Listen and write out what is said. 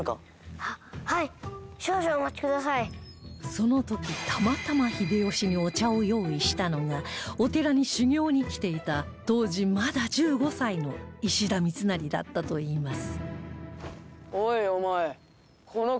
その時たまたま秀吉にお茶を用意したのがお寺に修行に来ていた当時まだ１５歳の石田三成だったといいます